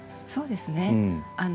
そうですね。